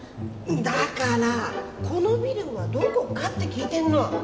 だからこのビルはどこかって聞いてんの。